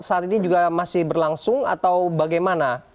saat ini juga masih berlangsung atau bagaimana